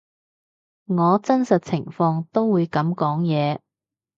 我真實情況都會噉講嘢